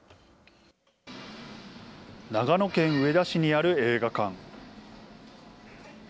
長野県上田市にある映画館。